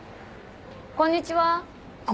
こんにちは。